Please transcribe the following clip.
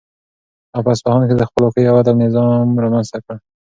هغه په اصفهان کې د خپلواکۍ او عدل نظام رامنځته کړ.